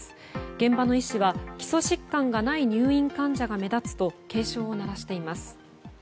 現場の医師は、基礎疾患がない入院患者が目立つと警鐘を鳴らしています。